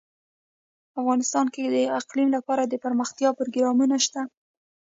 افغانستان کې د اقلیم لپاره دپرمختیا پروګرامونه شته.